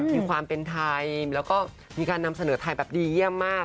มีความเป็นไทยแล้วก็มีการนำเสนอไทยแบบดีเยี่ยมมาก